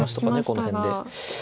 この辺で。